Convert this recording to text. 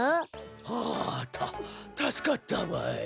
はあたたすかったわい。